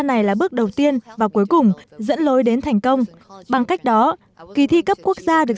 này là bước đầu tiên và cuối cùng dẫn lối đến thành công bằng cách đó kỳ thi cấp quốc gia được